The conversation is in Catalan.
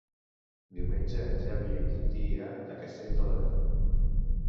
Diumenge en Xavi i en Quintí iran a Castell de l'Areny.